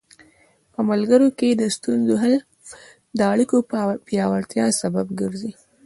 په ملګرو کې د ستونزو حل د اړیکو پیاوړتیا سبب ګرځي.